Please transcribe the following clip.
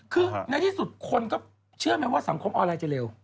คือในที่สุดคนก็เชื่อไหมว่าสังคมออนไลน์จะเร็ว